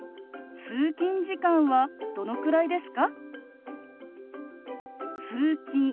通勤時間はどのくらいですか？